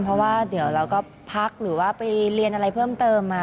เพราะว่าเดี๋ยวเราก็พักหรือว่าไปเรียนอะไรเพิ่มเติมมา